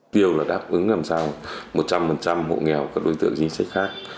tiêu là đáp ứng làm sao một trăm linh hộ nghèo các đối tượng chính sách khác